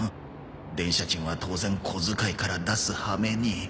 電車賃は当然小遣いから出すはめに